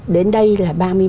đến đây là ba mươi một